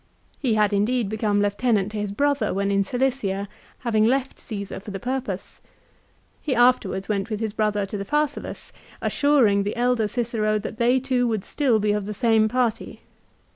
He had indeed become lieu tenant to his brother when in Cilicia, having left Caesar for the purpose. He afterwards went with his brother to the Pharsalus, assuring the elder Cicero that they two would still be of the same party.